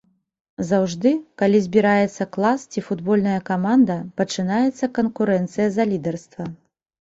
Заўжды, калі збіраецца клас ці футбольная каманда, пачынаецца канкурэнцыя за лідарства.